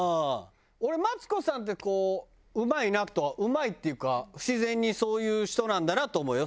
俺マツコさんってこううまいなとうまいっていうか自然にそういう人なんだなと思うよ。